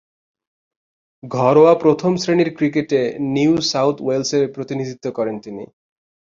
ঘরোয়া প্রথম-শ্রেণীর ক্রিকেটে নিউ সাউথ ওয়েলসের প্রতিনিধিত্ব করেন তিনি।